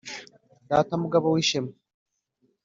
data mugabo w’ishema